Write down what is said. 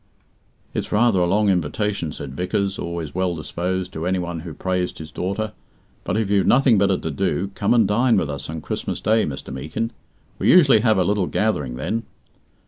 "It's rather a long invitation," said Vickers, always well disposed to anyone who praised his daughter, "but if you've nothing better to do, come and dine with us on Christmas Day, Mr. Meekin. We usually have a little gathering then."